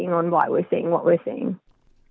mengapa kita melihat apa yang kita lihat